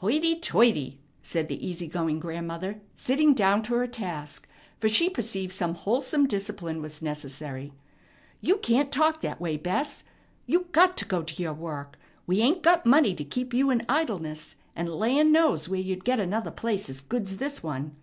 "Hoity toity!" said the easy going grandmother, sitting down to her task, for she perceived some wholesome discipline was necessary. "You can't talk that way, Bess. You got to go to your work. We ain't got money to keep you in idleness, and land knows where you'd get another place as good's this one.